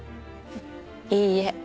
いいえ。